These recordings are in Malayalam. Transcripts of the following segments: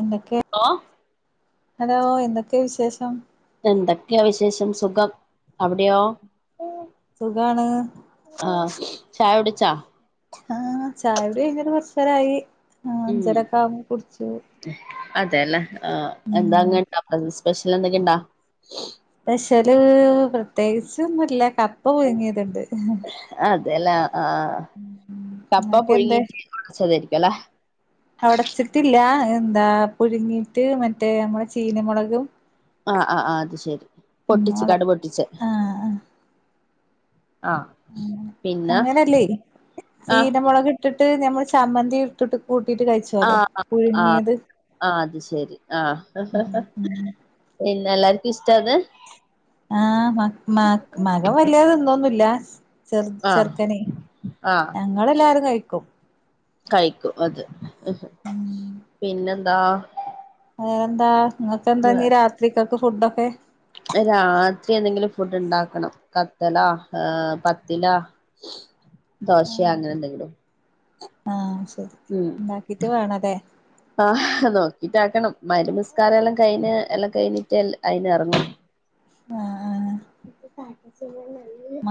എന്തൊക്ക ഹലോ ഹലോ എന്തൊക്കെ വിശേഷം? എന്തൊക്കെയാ വിശേഷം സുഖം. അവിടെയോ സുഖാണ് ആ ചായ കുടിച്ചാ? ആ ചായകുടി കഴിഞ്ഞിട്ടു കുറച്ചു നേരായി. ആ ഉം അഞ്ചരക്കെയാവുമ്പേ കുടിച്ചു. അതെല്ലേ. ആ എന്താ അങ്ങ് സ്പെഷ്യൽ എന്തെങ്കി ഇണ്ടാ? സ്പെഷ്യല് പ്രത്യേകിച്ച് ഒന്നുംല്ല കപ്പ പുഴുങ്ങിയതുണ്ട്. ആ കപ്പ എന്തേ പുഴുങ്ങീട്ട് വച്ചതായിരിക്കു അല്ലേ. ഒടച്ചിട്ടില്ല എന്താ പുഴുങ്ങീട്ട് മറ്റേ നമ്മടെ ചീനമുളകും ആ ആ ആ അത് ശെരി പൊട്ടിച്ച് മുള ക്കാണ്ട് പൊട്ടിച്ച് ആഹ് അങ്ങനെ. പിന്നെ അങ്ങനല്ലേ ആഹ് ചീന മുളക് ഇട്ട് ട്ട് നമ്മൾ ചമ്മന്തി ഇട്ടുട്ട് കൂ ആ ആ ആ അത് ശെരി ആഹ് ഉം ഉം ഇല്ല. എല്ലാർക്കു ഇഷ്ട അത് ആഹ് മ മകം വല്യത് തിന്നൊന്നുല്ല ചെറുത് ആഹ് ചെറുക്കനെ ആഹ് ഞങ്ങളെല്ലാരും കഴിക്കും കഴിക്കും അത്. ഉം പിന്നെന്താ പിന്നെന്താ ഇങ്ങക്ക് എന്താ ഇഞ് വേറെ രാത്രികക്ക് ഫുഡൊക്കെ രാത്രി എന്തെങ്കിലും ഫുഡ് ഉണ്ടാക്കണം. കത്തലാ ഏ പത്തിലാ ദോശെ അങ്ങനെ എന്തെങ്കിലും ആഹ് ശരി ഉം ഇണ്ടാക്കിട്ട് വേണല്ലേ ആഹ് നോ റ്റാട്ടാക്കണം മഹ് രിബ് നിസ്കാരം എല്ലാം കഴിഞ്ഞ് എല്ലം കഴിഞ്ഞിട്ട് അതിന് ഇറങ്ങണം ആഹ് ആഹ്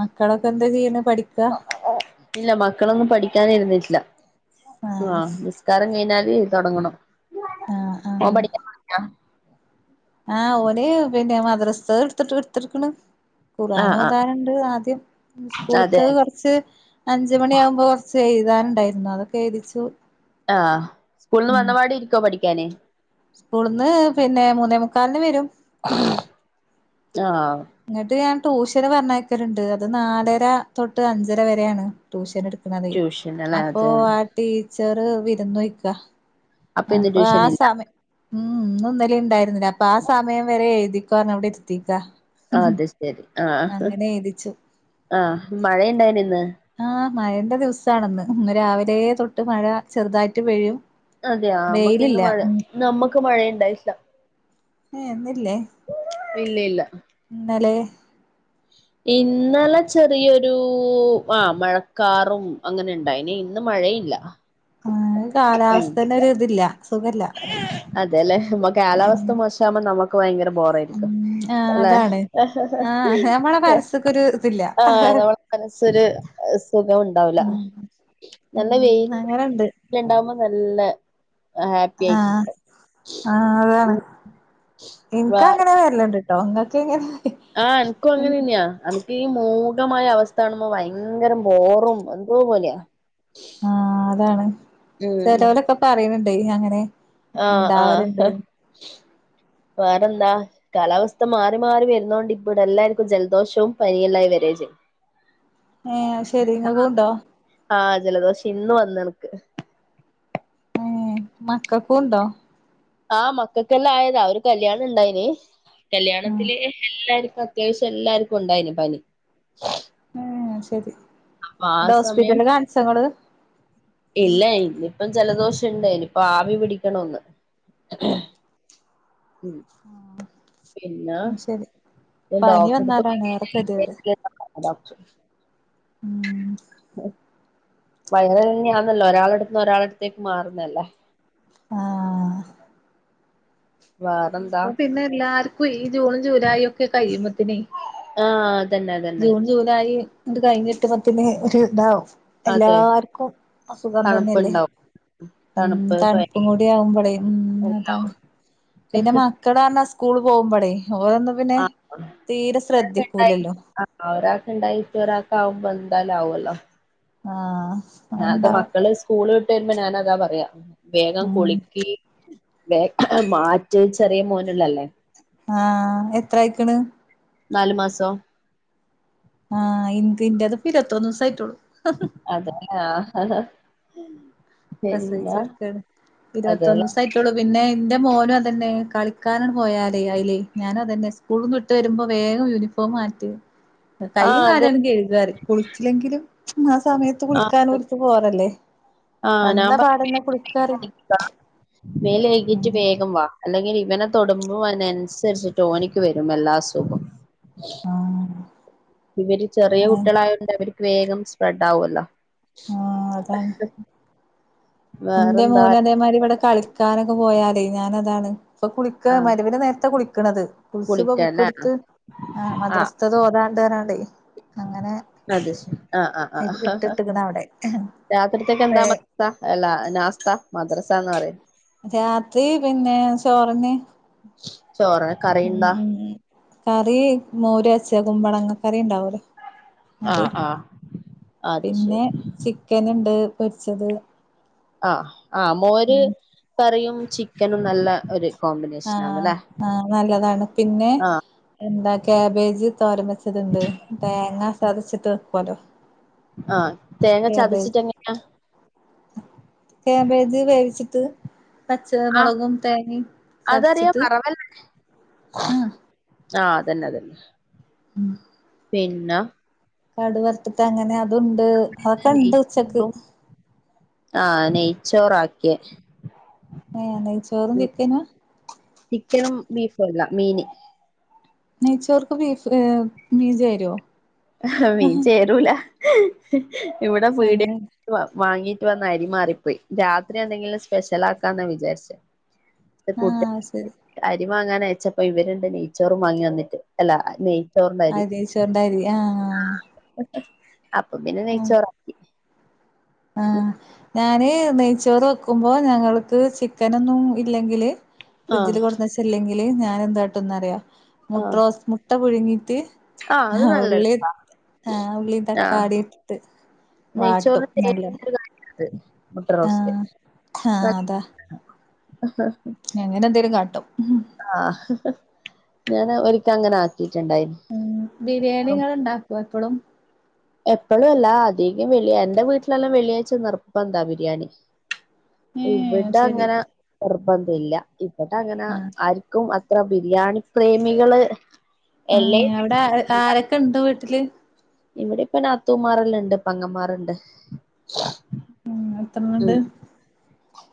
മക്കളൊക്കെ എന്താ ചെയ്യണ് പഠിക്കാ ഇല്ല മക്കളൊന്നും പഠി ക്കാന് ഇരുന്നിട്ടില്ല. ആഹ് നിസ്കാരം കഴിഞ്ഞാല് തുടങ്ങണം ആഹ് ആഹ് [unintelligible] ആഹ് ഓന് പിന്നെ മദ്രസ്ത്തത് എടുത്തിട്ട് കൊടുത്ക്ണ് കുറാന് ആഹ് ആഹ് ഓതാന് ണ്ട് ആദ്യം. അതെ സ്കൂള്ത്തത് കുറച്ച് അഞ്ച മണിയാകുമ്പോ കൊർ ച്ചെഴ് താന് ഉണ്ടായിരുന്നു അതൊക്കെ എഴുതിച്ചു ആഹ് സ്കൂൾന്ന് വന്നപാടെ ഇരിക്കുവോ പഠിക്കാന് സ്കൂൾന്ന് പിന്നെ മൂന്നേമുക്കാലിന്ന് വരും ആഹ് ഇങ്ങട്ട് ഞാൻ ട്യൂഷന് പറഞ്ഞയക്കലണ്ട്. അത് നാലര തൊട്ട് അഞ്ചര വരെയാണ് ട്യൂഷൻ ഇട് ക്ക്ണത്. ട്യൂഷൻ അല്ലെ അപ്പൊ അതെ ആ ടീച്ചറ് വിരുന്ന് പോയ്ക്കാ ഇന്ന് അപ്പൊ ട്യൂഷൻ ആ ഇല്ല സമയ ഉം ഇന്നും ഇന്നലിം ഉണ്ടായിരുന്നില്ല അപ്പൊ ആ സമയം വരെ എഴുതിക്കൊ ർഞ് ഇവിടെ ഇരിത്തിക്കാ അത് ശെരി ആഹ് എഴുതിച്ചു ആഹ് മഴണ്ടായിന് യൊ ഇന്ന് ആഹ് മഴന്റെ ദിവസാണ്ന്ന്. ഇന്ന് രാവിലെ തൊട്ട് മഴ ചെറുതായിട്ട് പെയ്യും അതെ യൊ. നമ്മുക്ക് ഇന്ന് വെയിലില്ല മഴ ഉം നമ്മുക്ക് മഴയുണ്ടായിട്ട്ല്ല ഹേ ഇന്നില്ലേ ഇല്ലില്ല ഇന്നലെ [unintelligible] ഇന്നലെ ചെറിയൊരു ആഹ് മഴക്കാറും അങ്ങനെണ്ടായി നി. ഇന്ന് മഴ ല്ല ആ കാലാവസ്ഥന്നെ ഒരു ഇതില്ല സുഖല്ല അതെല്ലേ നമ്മ ഉം കാലാവസ്ഥ മോശാകുമ്പോ നമ്മുക്ക് ഭയങ്കര ബോറേരിക്കും ഉം ആഹ് അല്ലെ അതാണ് ആഹ് നമ്മളെ മനസ്സ്ക്കൊരു ഇതില്ല ആഹ് നമ്മളെ മനസ്സ് ഒരു സുഖം ഉണ്ടാവൂല ഉം നല്ല ഉം വെയില് അങ്ങനെണ്ട് [unintelligible] ഉണ്ടാവുമ്പോ നല്ല ആ ആഹ് ആഹ് അതാണ്. ഇൻക്ക് അങ്ങനെ വരല്ണ്ട് ട്ടോ ഇങ്ങക്കെങ്ങനെ ആഹ് എന്ക്കും അങ്ങനെന്നെയാ എനക്ക് മൂ ഖമായ അവസ്ഥ കാണുമ്പോ ഭയങ്കരം ബോറും എന്തോ പോലെയാ ആഹ് അതാണ് ഉം ചെലോലൊക്കെ പറി ണ് ണ്ടെ അങ്ങനെ ആഹ് ഇണ്ടാവല്ണ്ട് ആഹ് വേറെന്താ കാലാവസ്ഥ മാറി മാറി വരുന്ന കൊണ്ട് ഇപ്പടെ എല്ലാവർക്കും ജലദോഷവും പനല്ലായി വരകയും ചെയ്യും [unintelligible] ഏ ശെരി ഇങ്ങ കണ്ടോ ആഹ ജലദോഷം ഇന്ന് വന്ന എനക്ക് ഏ മക്കക്കും ഉണ്ടോ ആ മക്കൾക്കെല്ലാം ആയതാ അവര് കല്യാണം ഇണ്ടായിന് ഉം കല്യാണത്തില് എല്ലക്കും അത്യാവശ്യം എല്ലാർക്കും ഉണ്ടായിന് പനി ഉം ശരി അപ്പൊ ആ സമയം ഇല്ല ഇല് ഇപ്പം ജലദോഷം ഇണ്ട് ഇനിപ്പോ ആവി പിടിക്കണൊന്ന് ഉം പിന്നെ അത് ശെരി പനി ഡോക്ടറെ വന്നാലാണ് ഏറെ കെതിയേട് ഡോക്ടർ ഉം വയറാന്നല്ലോ ഒരാളടുന്ന് ഒരാളടുത്തേക്ക് മാറുന്നല്ലേ ആഹ വേറെന്താ ഇപ്പൊ പിന്നെ എല്ലാർക്കും ഈ ജൂൺ ജൂലൈ ഒക്കെ കഴിയുമ്പോത്തിനേ ആഹ് അതന്നെ അതന്നെ ജൂൺ ജൂലായി ണ്ട് കഴിഞ്ഞ എട്ട് പത്തിന് ഒരു ഇതാവും അതെ എല്ലാർക്കും അസുഖം തന്നെല്ലേ തണുപ്പുണ്ടാവും ഉം തണുപ്പ് പനി തണുപ്പും കൂടി ആഉമ്പളേ ഉം എല്ലാം അതാണ് പിന്നെ മക്കളെർഞ്ഞ സ് കൂൾ പോഉമ്പളെ ഓലൊന്നും പിന്നെ ആഹ് തീരെ ശ്രദ്ധിക്കൂലല്ലോ അഒരാക് ണ്ടായിട്ട് ഒരാകാഉമ്പോ എന്തായാലും ആവോല്ലോ ആഹ് അത് അത്ണ്ടാവും മക്കള് സ്കൂള് ട്ടര്മ്പോ ഞാന അതാ പറയാ വേഗം ഉം കുളിക്കി വേം മാറ്റ് ചെറിയ മോന്ള്ളല്ലേ ആഹ് എത്രയിക്കണ് നല് മാസം ആഹ് ഇൻക് ഇന്റത് പ്പ ഇരൊ ത്തോന്നുസായിട്ടോള്ളു അതാണ് ആ ഹ പ്രസവിച്ചടുക്കാണ് അതെല്ലേ ഇരുപത്തൊന്ന്സായിട്ടുള്ളൂ പിന്നെ ന്റെ മോനും അതന്നെ കളിക്കാനാട് പോയാലേ അയില്ലേ ഞാനോ അതന്നെ സ്കൂളിൽ നിന്ന് ഇട്ട് വരുമ്പോ വേഗംയൂനി ഫോമ് മാറ്റു ആഹ് കൈയും അത് കാലാണ്ട് കഴുകാറി കുളിച്ചില്ലെങ്കിലും സമയത്ത് ആഹ് കുളിക്കാനോര്ക്ക് ബോധല്ലേ ആഹ് ഞൻ പറ [unintelligible] മേലെയ് കിട്ട് ഉം വേഗം വ ല്ലെ [unintelligible] ഇവനെ തൊടുമ്പും അതിനനുസരിച്ചിട്ട് ഓനിക്ക് വരും എല്ലാ അസുഖം ആഹ് ഇവര് ചെറിയ ആഹ് കുട്ടികളായോണ്ട് അവർക്ക് വേഗം സ്പ്രെഡ് ആവോല്ലോ ആഹ് അതാണ് ന്റെ വേറെന്താ മോന അതേമാരി ഇവിടെ കളിക്കാനൊക്കെ പോയാലേ ഞാന അതാണ് ഇപ്പൊ കുളിക്ക ആഹ് മഹ് രിബ്ന് നേര്ത്തെ കുളിക്ണത് കുളിച് പ്പ കുളിക്കല്ലേ ബുക്കെടുത്ത് ആ ആഹ് മദ്രസ്ഥ തോതാ താണ് ടേ [unintelligible] ആഹ് ആഹ് ആ ഇട്ടിട്ട്ക്ക്ണ് അവിടെ രാത്രിത്തൊക്കെ എന്താ മത്ത ലാ മദ്രസന്ന് പറയ് രാത്രി പിന്നെ ചോറിന് ചോറ് ഉം കറിയിണ്ടാ ഉം ഉം കറി മോരാച്ചതു മ്പളങ്ങ കറി ണ്ടാവോലൊ അത് ആഹ് ആഹ് അത് പിന്നെ ശരി ചിക്കൻ ഉണ്ട് പൊരിച്ചത് ആ ആ മോര് കറിയും ചിക്കനും നല്ല ഒരു ആഹ് കോമ്പിനേഷനാന്നല്ലേ ആ നല്ലതാണ് പിന്നെ ആഹ് എന്താ കാബേജ് തോരൻ വെച്ചത്ണ്ട് തേങ്ങ ചതിച്ചിട്ട് വെക്കോല്ലോ ആഹ് തേങ്ങ ചതച്ചിട്ട ങ്ങനെയാ ക്യാബേജ് കഴിച്ചിട്ട് ആ അതറിയാം ചതച്ചിട്ട് അറവെൽ ആഹ് ആഹ് അതന്നെ അതന്നെ ഉം പിന്ന കടു വറുത്തിട്ട് അങ്ങനെ അതുണ്ട് അതൊക്കെ ഇണ്ട് ഉച്ചക്ക് നെയ്ച്ചോറും ആഹ് നെയ്ച്ചോറ ആക്കിയ ഏ നെയ്യ് ചോറും ചിക്കനുആ ചിക്കനും ബീഫ് അല്ല മീന് നെയ്ച്ചോർക്ക് ബീഫ് മീ ചേരോ മീൻ ചേരൂല ഇവിടെ പീടെ അങ്ങനെ വാ വാങ്ങി വന്ന അരി മാറിപ്പോയി രാത്രി എന്തെങ്കിലും സ്പെഷ്യൽ ആക്കാന്നാ വിചാരിച്ച ആഹ് ശരി വാങ്ങാൻ അയച്ചപ്പോ ഇവരുണ്ട് നെയ് ചോറും വാങ്ങി വന്നിട്ട് അല്ല നെയ്യ് അ നെയ്ച്ചോറിന്റെ അരി ആആ അപ്പൊ പിന്നെ നെയച്ചോറാക്കി ആ ഞാന് നെയ്ച്ചോറ് വെക്കുമ്പോ ഞങ്ങക്ക് ചിക്കനൊന്നും ഇല്ലെങ്കില് ഫ്രിഡ്ജില് ആഹ് കൊടുന്നച്ചല്ലെങ്കില് ഞാൻ എന്തായിട്ട എന്ന് അറിയോ മുട്ട ആഹ് റോസ്റ്റ് മുട്ട പുഴുങ്ങിട്ട് ആഹ് അത് നല്ല ഉള്ളി രസാ ആ ആഹ് ഉള്ളിതക്കളിട്ട് വാട്ടും നല്ലേത് എ മുട്ട റോസ്റ്റ് ആഹ് നല്ല് അതാ അങ്ങനെ എന്തേലും കാട്ടോ ആ ഞാന ഒരിക്കല അങ്ങനെ ആക്കി ഉ ബിരിയാണികൾ ഉണ്ടാക്കും എപ്പോഴും എപ്പോഴും അല്ല അധികം വെളളിയ എന്റെ വീട്ടിലെല്ലാം വെളളിയ ആഴ്ച നിർബന്ധമാ ബിരിയാണി ഏഹ് ഇവിടെ ശരി അങ്ങനെ നിർബന്ധ ഇല്ല ഇവിടെ അങ്ങനെ ആഹ് ആർക്കും അത്ര ബിരിയാണി പ്രേമികള് ആ എല്ലേ അവിടെ ആരൊക്കെ ഇണ്ട് വീട്ടില് ഇവിടെ ഇപ്പൊ നാത്തൂമാർല്ലാം ഉണ്ട് പങ്ങന്മാർണ്ട് ഉം എത്രണ്ട്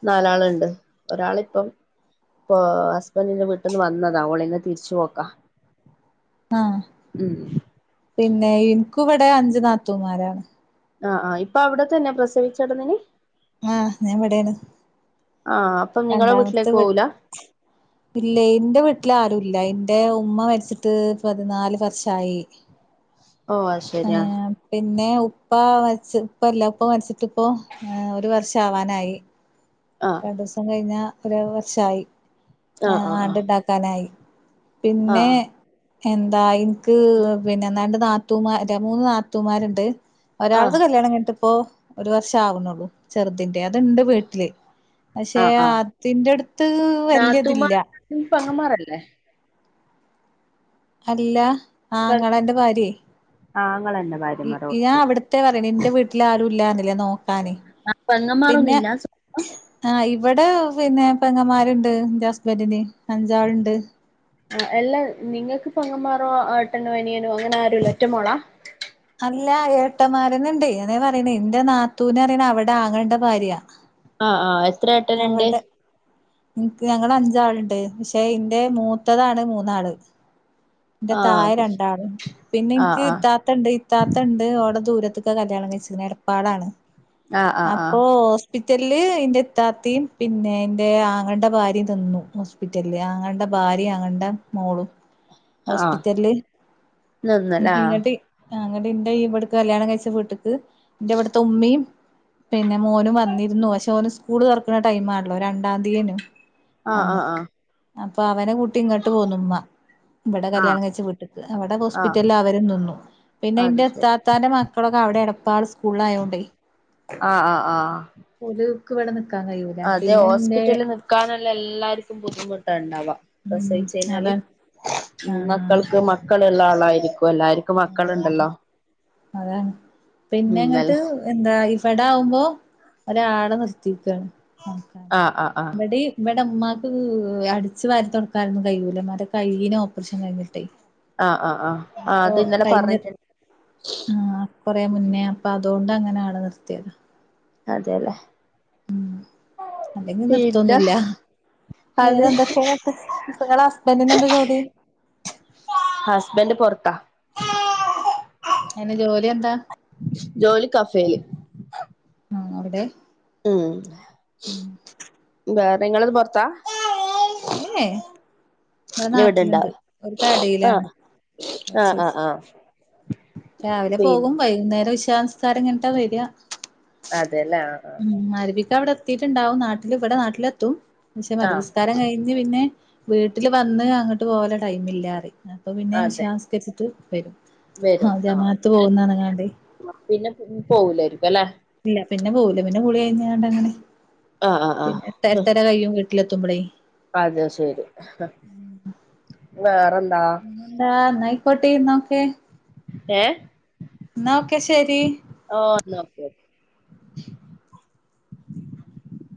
നാലാളുണ്ട് ഒരാളിപ്പം ഇപ്പൊ ഹസ്ബൻറിന്റെ വീട്ടിൽന്ന് വന്നതാ ഒള് ഇന്ന് തിരിച്ചുപോക്ക ആപിന്നെ ഇനിക്കു ഇവിടെ അഞ്ചു നാത്തൂമാരാ ആഹ് ആ ഇപ്പൊ അവിടത്തന്നെ പ്രസവിച്ചടനി ആഹ് ഞാൻവിടെയാണ് ആഹ് അപ്പം നിങ്ങളെ രണ്ടാമത്തെ വീട്ടിലേക്ക് ഇവി പോവൂല ഇല്ല എൻ്റെ വീട്ടിൽ ആരും ഇല്ല ഇല്ല എന്റെ ഉമ്മ മരിച്ചിട്ട് പതിനാല് വർഷായി ഓ അത് ആ ശരി പിന്നെ ഉപ്പ മരിച്ച് ഉപ്പ അല്ല ഉപ്പ മരിച്ചിട്ട് ഒരു വർഷം ആവാനായി ആഹ് രണ്ടു ദിവസം കഴിഞ്ഞാ ഒരു വർഷമായി ആഹ് ആഹ് ആണ്ട് ഉണ്ടാക്കാനായി ആഹ് പിന്നെ ആഹ് എന്താ എനിക്ക് പിന്നെ എന്താണ്ട് നാത്തൂമാ മൂന്ന് നാത്തൂമാരുണ്ട് ഒരാളത് ആഹ് കല്യാണം കിഴിട്ട് ഇപ്പൊ ഒരു വർഷ ആവുന്നുള്ളൂ ചെറുതിന്റെ അത് ഇണ്ട് വീട്ടില് പക്ഷെ ആഹ് ആഹ് അതിന്റെ അടുത്ത് വലൃയതില്ല നാത്തൂമാർ പങ്ങന്മാരല്ലേ അല്ല ആ അങ്ങളാ എന്റെ ഭാര്യ ആങ്ങളെന്റെ ഇ ഭാര്യമാരോ ഇയ അവിടുത്തെ പറയ എന്റെ വീട്ടിൽ ആരും ഇല്ലന്നില്ലേ നോക്കാന് ആ പിന്നെ പെങ്ങന്മാരൊന്നുല്ല സൊ ആ ഇവിടെ പിന്നെ പെങ്ങമാരുണ്ട് ഹസ്ബൻ്റൻ അഞ്ചാളുണ്ട് ആ എല്ലാ നിങ്ങക്ക് ഇപ്പ അങ്ങന്മാറോ ഏട്ടനോ അനിയനോ അങ്ങനെ ആരും ഇല്ലോ ഒറ്റമോളാ ഇല്ല ഏട്ടമാരുന്നുണ്ട് എന്ന പറയണ എന്റെ നാത്തൂന അറിയണ അവിടെ ആങ്ങേളേടൊ ഭാര്യയ ആ ആ എത്ര ട്ടനുണ്ട് ക്ക് ഞങ്ങള് അഞ്ചാളുണ്ട് പക്ഷെ ഇന്റെ മൂത്തതാണ് മൂന്നാള് എന്റെ ആ തായേ അത് ശരി രണ്ടാൾ പിന്നെ ആ എനിക്ക് ആ ഇത്താത്തണ്ട് ഇത്താത്തണ്ട് ഓളെ ദൂര ത്ത്ക്ക കല്യാണം കഴിച്ചക്ക്ണ് എടപ്പാളണ് ആ ആ ആ അപ്പൊ ഹോസ് ഹോസ്പിറ്റലില് എന്റെ ഇത്തത്തിയും പിന്നെ എറെ അങ്ങ ങ്ങടെ ഭാര്യ മ് നിന്നു ഹോസ്പിറ്റലില് അങ്ങടെ ഭാര്യമ് അങ്ങടെ മോളും ആ ഹോസ്പിറ്റല് നിന്നല്ലേ ആ ഇങ്ങൻഡ്അ എങ്ങൻഡ് ഇ ബടത്തെ കല്യാണം കഴിച്ച വീട്ട്ക്ക് എന്റെ അവിടുത്തെ ഉമ്മീം പിന്നെ മോനും വന്നിരുന്നു പക്ഷെ ഓനും സ്കൂള് തുറക്കുന്ന പക്ഷെ ടൈമാ ണല്ലോ രണ്ടാം തീയേന് ആ ആ ആ അപ്പൊ അവനെ കൂട്ടി ഇങ്ങോട്ട് പോണു ഉമ്മ ഇവിടെ ആ കല്യാണം കഴിച്ച് വീട്ടിക്ക് അവിടെ ആ ഹോസ്പിറ്റലിൽ അവരും നിന്നു പിന്നെ അത് ഇന്റെ ശരി ഇത്താത്താന്റെ മക്കളൊക്കെ അവിടെന്ന് പാൽസ് സ്കൂളയോണ്ട് ആ ആ ആ ഓല് ക്ക് ഇവിടെ നിക്കാൻ കഴൂല പിന്നെ ഇന്റെ ക്കാനല്ല എല്ലാര്ക്കും ബുദ്ധിമുട്ടുണ്ടാവ ഉം പ്രസയിച്ചയിഞ്ഞാല് അതാണ് ഉം ആഹ് മക്കൾക്ക് മക്കള്ള്ള ആളാരി ക്കു എല്ലാര്ക്കും മക്കള്ണ്ടല്ലോ താണ് പിന്നെ ഇങ്ങട്ട് എന്താ ഇഫടവുമ്പോ ഒരാളെ നിർത്തിക്കാണ് നോക്കാ ആ ആ ആ ഇബാടിം ഇബ ടെ മ്മക്ക് അടിച്ചു വരി തൊടക്കാനൊന്നും കൈയൂല ഉമ്മാന്റെ കൈയിന് ഓപ്റിഷൻ കയിഞ്ഞിട്ടെ ആഹ് ആഹ് ആഹ് ആഹ് അത് ഇന്നലെ പറഞ്ഞിറ്റ് ആഹ് കൊറെ മുന്നേ അപ്പൊ അതോണ്ട അങ്ങനെ ആളെ നിർത്തിയ അതെല്ലേ അതെങ്ങും പിന്നെ നിർത്തൊന്നുല്ല അത് വേറെ എന്തക്കെയ ട്ട് നിങ്ങളെ ഹസ്ബന്റിന് എന്ത ജോലി ഹസ്ബൻഡ് പൊറത്താ അയിന് ജോലി എന്താ ജോലി കഫേല് ആഹ് അവിടെ ഉം വേറെ നിങ്ങളത് പോറത്താ ഏഹ് ഏഹ് ഇവിടെ ഇവിടെണ്ടാ നാട്ട്ലിണ്ട് ഒരു കടയിലാണ് ആഹ് ആഹ് ടെക്സെസ് ആഹ് ആഹ് രാവിലെ പോകും പിന്നെ വൈന്നേരം ഇഷാനിസ്കാരംകയ്ന്നിട്ട വര അതെല്ലേ ആഹ് ആഹ് ത അവിടെ എത്തിയിട്ടുണ്ടാവും നാട്ടിൽ ഇവിടെ നാട്ടിലെത്തും ക്ഷെ ആഹ് മത്ബി ആഹ് സ്കാരം കഴിഞ്ഞ് പിന്നെ വീട്ടില് വന്ന് അങ്ങട്ട് പോവല്ലേ ടൈമില്ലറെം അപ്പൊ പിന്നെ അതെ ഇഷനിസ്കരിച്ചിട്ട് വരും ആ വരും ആഹ് ജമാഹത്ത് പോകുന്ന് പറഞ്ഞാ- പിന്നെ പോവൂലായിരിക്കും അല്ലെ ഇല്ല പിന്നെ പോവൂല പിന്നെ ഗുളികയിഞ്ക്കണ്ട് അങ്ങനെ ആഹ് ആഹ് പിന്നെ [unintelligible] വീട്ടിലെത്തുമ്പല് അതെ ശരി വേറെന്ത എന്താ എന്നായിക്കോട്ടെ എന്നാക്കെ ഏഹ് ക്കെ ശരി ആഹ് എന്ന ഓക്ക ഓക്കെ [inaudible]